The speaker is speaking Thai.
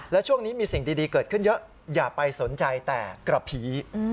และช่วงนี้มีสิ่งดีเกิดขึ้นเยอะอย่าไปสนใจแต่กระผี